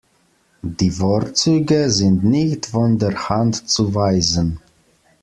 Die Vorzüge sind nicht von der Hand zu weisen.